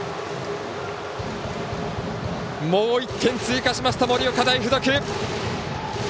もう１点追加した盛岡大付属！